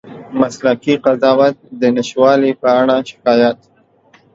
مسلکي قضاوت د نشتوالي په اړه شکایت